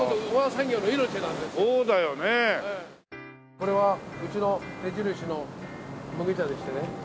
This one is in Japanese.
これはうちの目印の麦茶でしてね。